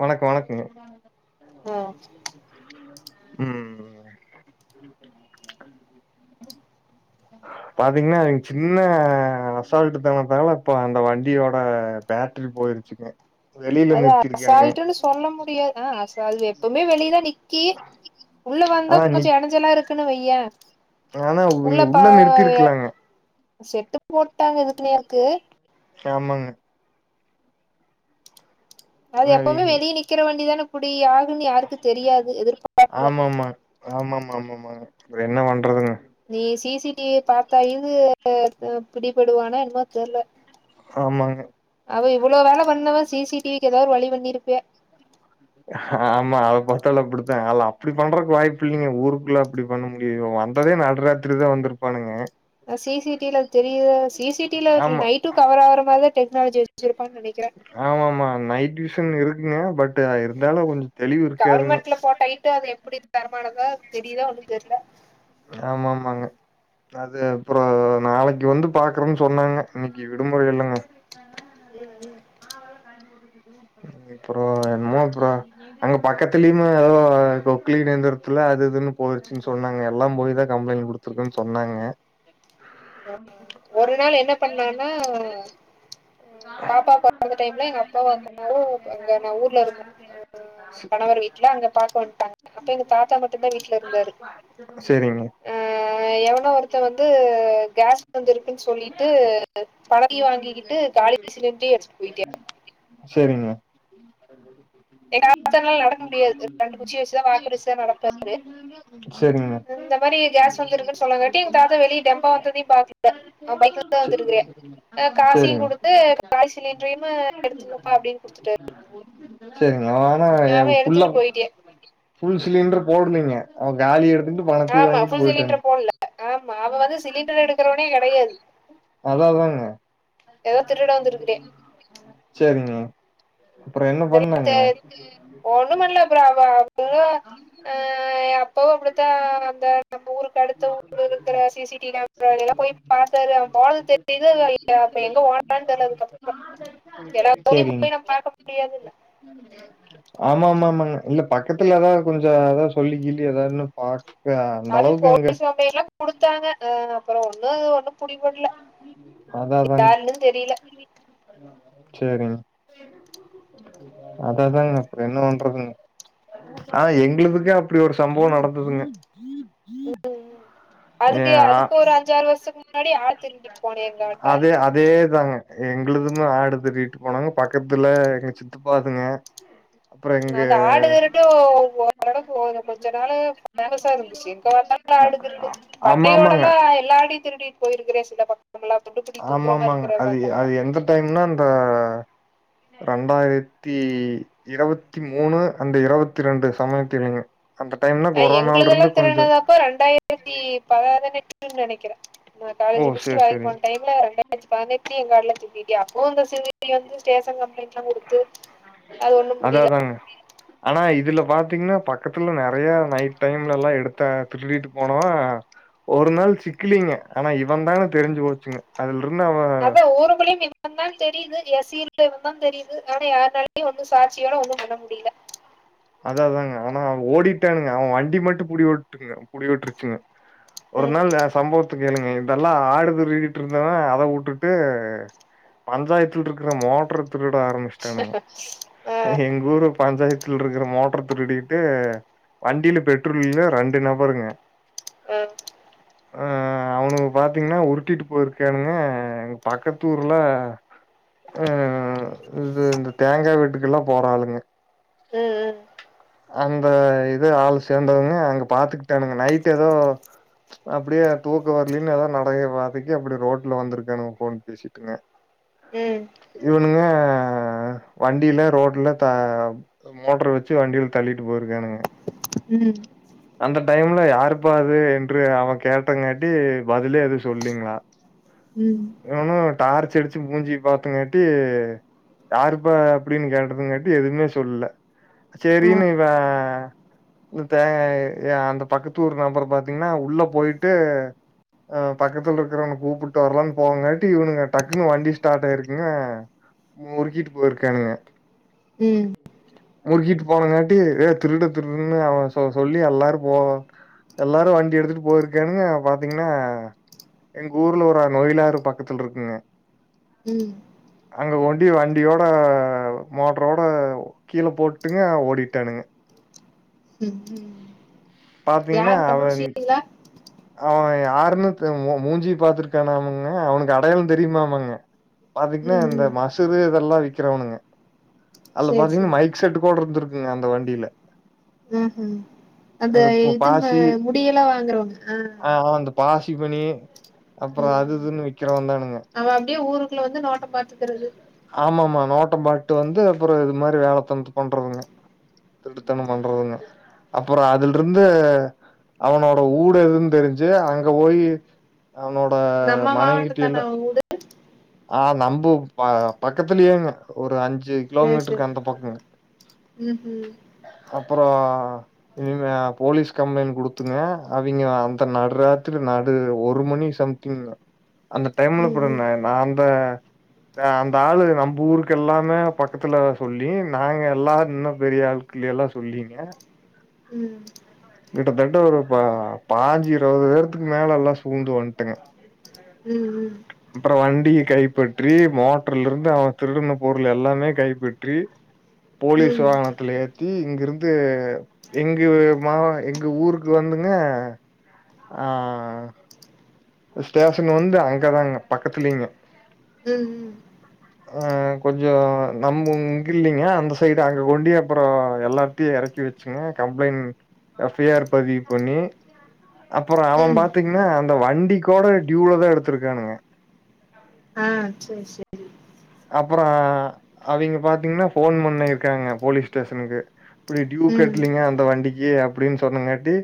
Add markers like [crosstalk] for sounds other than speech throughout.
வணக்கோ வணக்கங்க ஆ உம் ம் [inaudible] பாத்தீங்ன்னா எங் சின்ன அசால்ட் தனத்தால இப்ப அந்த வண்டியோட பேட்டரி போ போயிடுச்சிங்க அதா அசால்ட்டுன்னு சொல்ல முடியாது அ அஸ் அது எப்பேமே வெளியேதா நிக்கி உள்ள வந்தா ஆனா நி கொஞ்ச எடஞ்செல்லா இருக்குன்னு வையே ஆனா உ நீங்க உள்ள நிறுத்திருக்கலாங்க செட்டு போட்டாங்க இதுக்கு நேத்து ஆமாங்க அது ஆனா எப்பவுமே இவிங்க வெளியே நிக்கிற வண்டிதானே புடியா வுன்னு யாருக்கு தெரியாது எதிர்பாக்கல ப்றோ என்ன பண்றதுங்க நீ சி சி டிவி பாத்தா இது அஹ் து பிடிபடுவானோ என்னமோ தெர்ல ஆமாங்க அவ இவ்ளோ வேல பண்ணவ சி சி டிவிக்கு ஏதாவொரு வழி பண்ணிற்ப்பய அஹ ஆமா அத பத்தால அப்டிடுத்தா அலா அப்டி பண்றதுக்கு வாய்ப்பு இல்லிங்க ஊருக்குள்ள அப்டி பண்ண முடியு அந்த ஒரே நடுராத்திரிதா வந்திருப்பானுக அ சி சி டில தெரிய சி சி டில ஆமா நைட்டு கவர் ஆகுற மாறிதா டெக்னாலஜி வச்சி இருப் ஆமா ஆமா நைட்டுவிஷன் இருக்குங்க பட் அ இருந்தாலு தெளிவு இருக்காதுங்க கவர்மெண்ட்ல போட்ட லைட்டு எப்டி தரமானதா தெரியுதா ஒன்னு தெர்ல ஆமாமாங்க அது அப்றோ ஒரு நாளைக்கு வந்து பாக்குறம்னு சொன்னாங்க இன்னைக்கு விடுமுறை இல்லங்க உம் உம் அப்றோ என்னமோ அப்ரோ அங்க பக்கத்துலயுமே ஏதோ கொக்களின் ஏந்திரதுல அது இதுன்னு போயிருச்சின்னு சொன்னாங்க எல்லா போய் தா கம்ப்ளைண்ட் குடுத்துருக்கம் சொன்னாங்க ஒரு நாள் என்ன [inaudible] ம் பாப்பா றந்துட்டே ஊர்ல இருந்தே கணவர் வீட்ல அங்க பாக்க வந்ட்டாங்க அப்ப எங்க தாத்தா மட்டும்தான் வீட்டுல இருந்தாரு சேரிங்க அஹ் எவனோ ஒருத்த வந்து கேஸ் வந்து இருக்குன்னு சொல்லிட்டு பணத்தி வாங் கிகிட்டு காலி சிலிண்டரயு அடிச்சிட்டு போயிட்யா சரிங்க எங்க அத்தனால நடக்க முடியாது ரெண்டு குச்சி வச்சுதா வாக்குருச்சுதா நடப்பாரு சேரிங்க இந்த மாரி கேஸ் வந்திருக்குன்னு சொல்லாங்காட்டியு எங்க தாத்தா வெளிய டெம்போ வந்ததையு பாத்தில அவெ பைக்கு செரி [unintelligible] ஆ காசையு குடுத்து காய் சிலிண்டரையு எடுத்துக்கங்கப்பா அப்டின்னு குடுத்துட்டாரு செரிங்க ஆனா ஏ அவ ஃபுல்லா எடுத்துக்கிட்டு போயிட்டியா வந்து ஃபுல் சிலிண்டர் போடலைங்க அவ காலி எடு ஆமா புஃபுல் சிலிண்டர் போடல ஆமா அவன் வந்து சிலிண்டர் எடுக்குறவனே கெடையாது அதா அதாங்க எதோ திருட வந்துருக்குதே சேரிங்க அப்ப என்ன தெரி- பண்ணாங்க ஒண்ணும் பண்ணல அப்றோ அவ அவுங்க அ எப்பவு அப்டித் க்குற சிசிடிவிமரெல்லா போய் பாத்தாரு அவன் போனது தெரியுது அப்ப எங்க போறான்னு தெரியல அதுக்கப்றோ வ எல்லார் தொழிலு சேரிங்க போயி நம்ம பாக்க முடியாதுல்ல ஆமா ஆமா ஆமாங்க இல்ல பக்கத்துல எதாவது கொஞ்சோ அதாவது சொல்லிகிட்டு எதாவதுன்னு பா அது போலீஸ் கம்பளைண்டெல்லா குடுத்தாங்க அ அ அப்பறோ ஒண்ணு அது ஒண்ணும் புடி படல அதான் யாருன்னு தெரியல சேரிங்க அதாதாங்க அப்றோ என்ன வண்றதுங்க ஆ எங்களுதுக்கே அப்டி ஒரு சம்பவோ நடந்துதுங்க ம் ம் அதுக்கே அ அதுக்கு ஒரு அஞ்சாறு வருஷத்துக்கு முன்னாடி ஆட் அதே அதேதாங்க எங் க்ளுதுமே ஆடு தட்டிட்டு போனாங்க பக்கத்துல எங்க சித்தபாதுங்க ம் அந்த ஆடு விருட்டோ ஓரளவுக்கு கொ கொஞ்ச நாளா பேமஸா இருந்துச்சு எங்க பாத்தாலு ல்ல ஆடு திருடு ஆமா, ஆமாங்க. பண்னையோடல்லா எல்லா ஆட்டையு திருடிட்டு போயிருக்குதே சில பக்க ஆமாமாங்க அது அது எந்த டைம்னா அந்த ரெண்டாயிரத்தி இருவத்தி மூணு அந்த இருவத்தி ரெண்டு சமயத்தில் நீங்க நா எங்களுதெல்லா திருனதாப்போ ரெண்டாயிரத்தி பதுனெட்டு நெனக்குறே நா ஓ! காலேஜ் முடுச்சுட்டு சரி, வேலக்கி சரி. போன டைம்ல ரெண்டாயிரத் பதுனெட் எங்க காட்ல துப்பிட்டியா அப்போ சிந்தனை வந்து ஸ்டேஷன் கம்ப்ளைண்ட்லா குடுத்து அது ஒண்ணும் முடியல அதாதாங்க ஆனா இது இதுல பாத்தீங்கன்னா பக்கத்துல நெறயா நைட் டைம்லல்லா எடுத்தா திருடிட்டு போனவெ ஒரு ஒரு நாள் சிக்கலீங்க ஆனா இவந்தானு தெருஞ்சு போச்சுங்க அதில் அதா ஊருக்குல்லயு இவன் தா தெரியுது யஸ் சீல் இவன்தா தெரியுது ஆனா யார்னாலயு ஒன்னு சாட்சியோட ஒண்ணும் பண்ண முடியல அத தாங்க ஆனா ஓடிட்டானுங்க அவன் வண்டி மட்டு புடி ஓட்டுங்க புடிவட்ருச்சுங்க ஒரு நாள் ஏ ம் சம்பவத்துக் கேளுங்க எ இதல்லா ஆடு திருடிகிட்டு இருந்தனா அத விட்டுட்டு பஞ்சாயத்துல இருக்குற மோட்ரு ட்ரு திருட ஆரம்பிச்சுட்டானுங்க எங்கூரு பஞ்சாயத்துலருக் க்குற மோட்ர திருடிட்டு வண்டில பெட்ரோல் இல்லனா ரெண்டு நபருங்க ஆ அ அ அவனுங்க பாத்தீங்கன்னா உருட்டிட்டு போயிருக்கானுங்க எங்க பக்கத்தூர்ல ம் ம் இது இந்த தேங்கா வீட்டுக்கு எல்லா போறாளுங்க ம் அந்த இது ஆள் சேந்தவுங்க அங்க பாத்துக்குட்டானுங்க நைட் எதோ அப்டியே தூக்கோ வரலேனு ஏதாது நடய பாதைக்கி அப்டி ரோட்ல வந்துருக்கானுங்க ஃபோன் பேசிட்டுங்க ம் இவனுங்க வண்டில ரோட்ல தா மோட்ரு வச்சு ச்சு வண்டில தள்ளிட்டு போயிருக்கானுங்க ம் அந்த டைம்ல யாருப்பா அது என்று அவன் கேட்டங்காட்டி பதிலே எதுவு சொல்லீங்ளா ம் இவனு டார்ச்சு அடுச்சு மூஞ்சிய பாத்தங்காட்டி யாருப்பா அப்படின்னு கேட்டங்காட்டி எதுமே சொல்ல சேரின்னு இவன் இந்த தேங்காய அந்த பக்கத்து ஊர் நபர் பாத்தீங்கன்னா உள்ள போயிட்டு அ பக்கத்துல இருக்கிறவனு கூப்பிட்டு வரலானு போங்காட்டி இவனுங்க டக்குன்னு வண்டி ஸ்டார்ட் ஆயிருக்குங்க முறுக்கிட்டு போயிருக்கானுங்க ம் முறுக்கிட்டு போனங்காட்டி ஏ திருட திருடுன்னு அவன் சொல்லி எல்லாரு போ எல்லாரு வண்டி எடுத்துட்டு போயிருக்கானுங்க பாத்தீங்கன்னா எங்க ஊர்ல ஒரு நெய்யில் ஆறு பக்கத்துல இருக்குங்க ம் அங்க கொண்டி வண்டியோட மோட்டரோட கீழ போ ட்டுங்க ஓடிட்டானுங்க ம் ம் பாத்தீங்கன்னா அவங் அவன் யாருன்னு மூஞ்சி பார்த்திருக்கானாம்ங்க அவுனுக்கு அடையாளோ தெரியுமாமங்க பாத்தீங்கன்னா ம் இந்த ம் மசுரு இதெல்லா விக்கிறவனுங்க அதுல சேரி பாத்தீங்கன்னா சேரி மைக் செட் கூட இருந்திருக்குங்க அந்த வண்டில ம்ஹும் அந்த பு இது ம பாசி முடியெல்லா வாங்குறவங்க ஆ இந்த பாசி மணி அப்றோ அது இதுன்னு விக்கிறவதானுங் அவன் அப்டியே ஊருக்குள்ள வந்து நோட்டம் பாத்துக்குறது ஆமாமா. நோட்டம் பாட்டு வந்து அப்றோ இந்த மாரி வேலை தனத்த பண்றதுங்க திருட்டுத்தணம் பண்றதுங்க அப்றோ அதில் ட்டுருந்து அவனோட வூடு எதுன்னு தெரிஞ்சு அங்க போயி அவனோட நம்ம மாவட்டம் தான மனைவிகிட்டயல்லா அவ ஊடு ஆ நம்பு அ பக்கத்துலயேங்க ஒரு அஞ்சு ஞ்சு சேரி கிலோமீட்டருக்கு சேரி அந்த பக்கோங்க ம்ஹும் அப்றோ இவுங்க போலீஸ் கம்ப்ளைண்ட் குடுத்துங்க அவிங்க அந்த நடுராத்திரி நடு ஒரு மணி சம்திங் அந்த டைம்ல கூட ம் நான்த தா அந்த ஆளு நம்பு ஊருக்கு எல்லாமே பக்கத்துல சொல்லி நாங்க எல் இன்னு பெரிய ஆளுக் விட்ல எல்லா சொல்லீங்க ம் கிட்டத்தட்ட ஒரு பா பாஞ்சி இருவது பேர்த்துக்கு மேல எல்லா சூழ்ந்து வந்துட்டுங்க ம் ம் ம் அப்றோ வண்டி கைப்பற்றி மோட்டர்ல இருந்து அவன் திருடுன பொருள் எல்லாமே கைப்பற்றி போலீஸ் ம் வாகனத்துலயே டி இங்கிருந்து எங்க மா எங்க ஊருக்கு வந்துங்க ஆ ஸ்டேஷன் வந்து அங்கதாங்க பக்கத்துலீங்க ம் ம் ஆ கொஞ்சோ நம் இங்க இல்லைங்க அந்த சைடு அங்க கொண்டி அப்றோ எல்லாருட்டியு எறக்கி வெச்சுங்க கம்ப்ளைண்ட் எஃ ஐ ஆர் பதிவு பண்ணி அப்றோ அவன் ம் பாத்தீங்கன்னா அந்த வண்டி கூட டியூலதா எடுத்திருக்கானுங்க ஆ சேரி சேரி அப்றோ அவிங்க பாத்தீங்கன்னா போன் பண்ணி இருக்காங்க போலீஸ் ஸ்டேஷனுக்கு இப்டி டியூ ம் கட்லீங்க அந்த வண்டிக் கி அப்டின்னு சொன்னங்காட்டி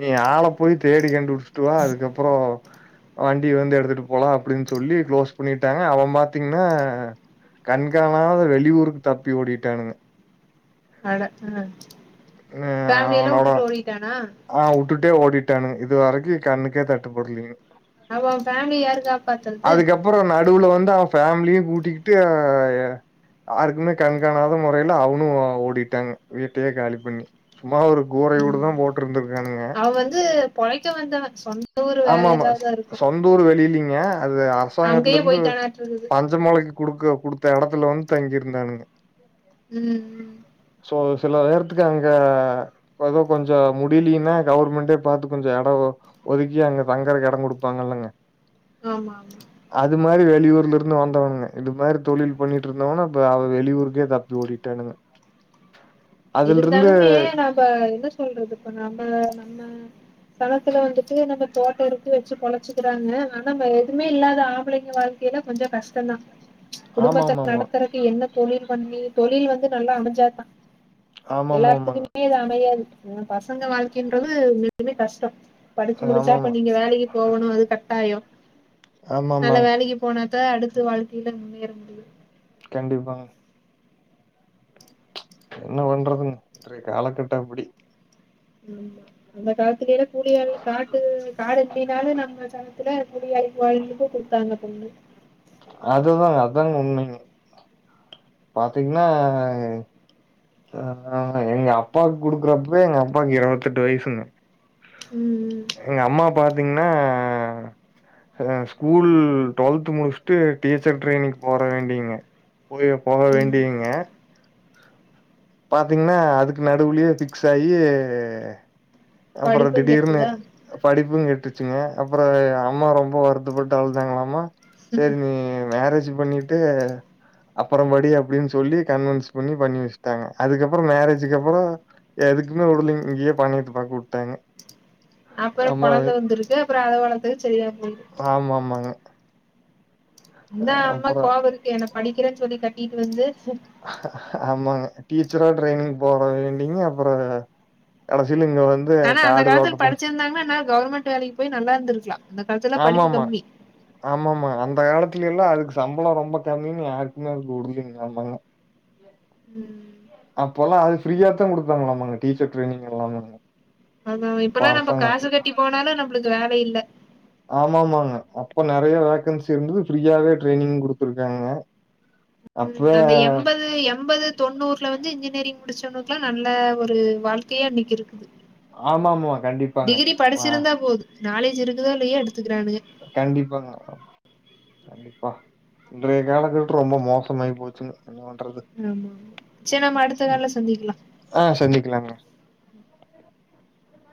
நீ ஆள போய் தேடி கண்டு புடிச்சுட்டு வா அதுக்கப்பறோ வண்டி வந்து எடுத்துட்டு போலா அப்டின்னு சொல்லி குளோஸ் பண்ணிட்டாங்க அவன் பாத்தீங்கன்னா கண்கணாத வெளியூருக்கு தப்பி ஓடிட்டானுங்க அட ஆ அ ஃபேமிலிய எல்லா அவனோட வுட்டுட்டு ஓடிட்டானா ஆ வுட்டுட்டே ஓடிட்டானுங் இது வரைக்கு கண்ணுக்கே தட்டுப்படலீங் அவன் ஃபேமிலிய யாரு காப்பாத்தறது டுல வந்து அவன் ஃபேமிலியே கூட்டிக்கிட்டு எ ஆருக்குமே கண்காணாத முறைல அவனு ஓடிட்டாங் வீட்டையே காலி பண்ணி சும்மா ஒரு கோ விடு ம் தான் போ அவ வந்து பொழைக்க வந்தவ சோன் ஆமாமா சொ சொந்தூர் வெளியிலிங்க அது அங்கேயே அரசாங்கத்தலருந்து போய்ட்டானாட்டு இருக்குது பஞ்சமொளைக்க குடுக்க குடுத்த எடத்துல வந்து தங்கிருந்தானுங்க உம் உம் சோ சில நேரத்துக்கு அங்க ஏதோ கொஞ்சோ முடிலின்னா கவர்மெண்ட்டே பாத்து கொஞ்சோ எடோ போ ஒதுக்கி அங்க தங்கறக்கு எடோ கொடுப்பாங்கல்ல ஆமா ஆமா அது மாதிரி வெளியூர்ல இருந்து வந்தவங்க இது மாதிரி தொழில் பண்ணிட்டு இருந்தவனா இப்ப அவ வெளியூருக்கே தப்பி ஓடிட்டானுங்க அதுல இருந்து இருந்தாலுமே நப என்ன சொல்றது இப்ப நப நம்ம பணத்துல வந்துட்டு நம்ம தோட்ட இருக்கு வச்சு பொழச்சுக்கிறாங்க ஆனா நம்ம எதுவுமே இல்லாத ஆம்பளைங்க வாழ்க்கையே இன்னும் கொஞ்சோ கஷ்டம்தான் ஆமா குடும்பத்த ஆமா ஆமா நடத்துறக்கே என்ன தொழில் பண்ணி தொழில் வந்து நல்லா அமஞ்சாதான் ஆமா ஆமா ஆமாங்க எல்லார்த்துக்குமே அது அமையாது ஏ பசங்க வாழ்க்கைன்றது எதுமே கஷ்டம் படிச்சு முடிச்சா ஆமா ஆமா அப்ப நீங்க வேலைக்கு போகணும் அது கட்டாயம் நல்ல ஆமாமாங்க. வேலைக்கு போனா தா அடுத்த வாழ்க்கையில முன்னேற முடியு கண்டிப்பாங் என்ன பண்றதுன்னு இன்றைய காலக்கட்டம் அப்டி ஆமா அந்த காலத்திலயல்ல கூலியள் காட்டு காடு இல்லைனாலு நம்ம அப்பதா கூலி வேலைக்கு போனாவிங்களுக்கும் கொடுத்தாங்க பொண்ணு அதுதாங்க அதாங்க உண்மைங்க பாத்தீங்கன்னா அதுதாங்க எங்க அப்பாக்கு குடுக்குறப்பவே எங்க அப்பாக்கு இருவத்தெதுட்டு வயசுங்க ம் எங்க அம்மா பாத்தீங்க ஸ்கூல் டுவெல்த் முடிச்சுட்டு டீச்சர் ட்ரெயனிங் போற வேண்டிங்க போய் போக ம் வேண்டியங்க பாத்தீங்கன்னா அதுக்கு நடுவுலே பிக்ஸ் ஆயி அப்ரோ படிப்பு திடீர்னு கெட்டுதா படிப்ப கேட் ச்சங்க அப்ரோ அம்மா ரொம்ப வருத்தப்பட்டு அழுதாங்களமா சேரி நீ மேரேஜ் பண்ணிட்டு அப்ரம் படி அப்படின்னு சொல்லி கன்வின்ஸ் பண்ணி பண்ணி வச்சு டாங்க அதுக்கப்ரோ மேரேஜக்கு அப்ரோ எதுக்குமே உடுலைங் இங்கேயே பண்ணயத்த பாக்க விட்டாங்க அப்ரோ குழந்த வந்துருக்கு அப்ரோ அத வளர்த்து சரியா போ ஆமா ஆமாங்க இந்தா அம்மா அப்பறோ கோபதுக்கு என்ன படிக்கிறேன்னு சொல்லி கட்டிட்டு வந்து ஹா ஹா ஆமாங்க டீச்சரா ட்ரரைனிங் போற வேண்டிங்க அப்ரோ கடசில இங்க வந்து ஆனா அந்த காடு தோட்ட காலத்துல போ படிச்சிருந்தாங்கன்னா நா கவர்மெண்ட் வேலைக்கு போய் நல்லாருந்திருக்கலாம் ஆமாமா ஆமாமா அந்த காலத் துல்லா அதுக்கு சம்பளம் ரொம்ப கம்மின்னு யாருக்குமே அதுக்கு விடுலீங்க ஆமங்க அப்போ எல்லாம் அது ஃப்ரீயா தான் கொடுத்தாங்களாமாங்க டீச்சர் ட்ரெனிங் எல்லாங்க அதான் இப்பல்லாம் நம்ப காசு கட்டி போனாலும் நம்மளுக்கு வேலை இல்ல ஆமாமாங்க அப்ப நறைய வேகன்சி இருந்தது ஃப்ரீயாவே ட்ரைனிங் குடுத்துருக்காங்க அப்பவே உம் அந்த எம்பது எம்பது தொண்ணூறுல வந்து இன்ஜ் நெரிங் முடிச்சவன்னுக்குெல்லாம் நல்ல ஒரு வாழ்க்கையா இன்னைக்கு இருக்குது ஆமா ஆமா கண்டிப்பாங்க டிகிரி ஆ படிச்சிருந்தா போது நாலேஜ் இருக்குதோ இல்லையோ எடுத் கண்டிப்பாங்க கண்டிப்பா இன்றைய காலக்கட்டு ரொம்ப மோசமாயி போச்சுங்க என்ன பண்றது ஆமா ஆமா சரி நம்ம அடுத்த ம் கால்ல சந்திக்கலா ஆ சந்திக்கலாங்க [unintelligible]